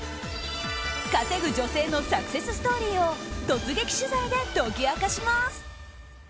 稼ぐ女性のサクセスストーリーを突撃取材で解き明かします。